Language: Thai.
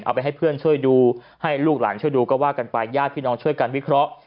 เอาไปให้เพื่อนช่วยดูให้ลูกหลานช่วยดูก็ว่ากันไปญาติพี่น้องช่วยกันวิเคราะห์